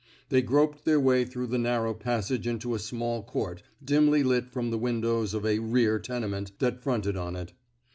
They groped their way through the narrow passage into a small court, dimly lit from the windows of a rear tenement '^ that fronted on it.